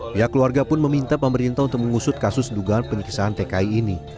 pihak keluarga pun meminta pemerintah untuk mengusut kasus dugaan penyiksaan tki ini